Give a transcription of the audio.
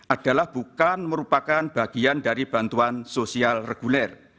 adalah bukan merupakan bagian dari bantuan sosial reguler